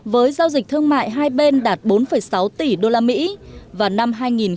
với giao dịch thương mại hai bên đạt bốn sáu tỷ usd vào năm hai nghìn một mươi bảy